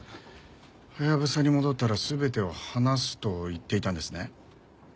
ハヤブサに戻ったら全てを話すと言っていたんですね？